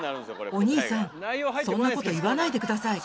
「お兄さんそんなこと言わないで下さい！